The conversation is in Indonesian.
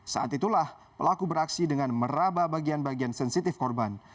saat itulah pelaku beraksi dengan meraba bagian bagian sensitif korban